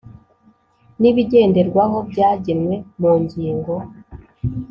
n ibigenderwaho byagenwe mu ngingo